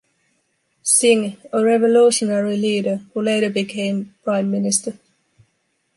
Singh, a revolutionary leader who later became prime minister.